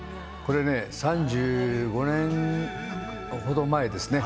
３５年程前ですね。